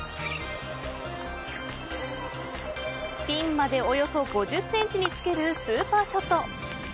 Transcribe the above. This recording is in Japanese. ピンまでおよそ５０センチにつけるスーパーショット。